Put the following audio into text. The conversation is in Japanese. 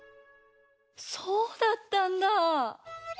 そうだったんだぁ。